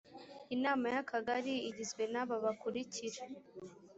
inama y akagari igizwe n aba bakurikira